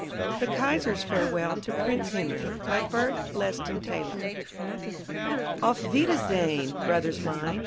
THE KAISER'S FAREWELL TO PRINCE HENRY BY BERT LESTON TAYLOR Auf wiedersehen, brother mine!